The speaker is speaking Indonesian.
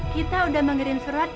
kita udah mengirim surat